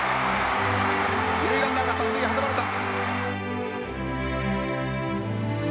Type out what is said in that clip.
二塁ランナーが三塁に挟まれた。